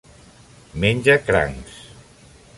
Menja crancs.